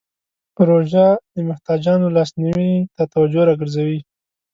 روژه د محتاجانو لاسنیوی ته توجه راګرځوي.